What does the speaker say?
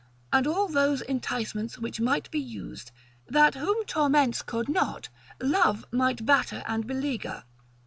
and all those enticements which might be used, that whom torments could not, love might batter and beleaguer.